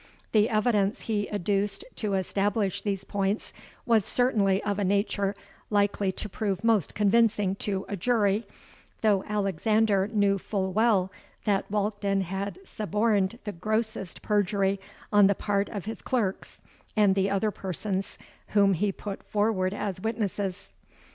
The evidence he adduced to establish these points was certainly of a nature likely to prove most convincing to a jury, though Alexander knew full well that Walkden had suborned the grossest perjury on the part of his clerks and the other persons whom he put forward as witnesses.